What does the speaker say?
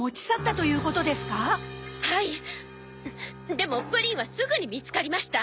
でもプリンはすぐに見つかりました。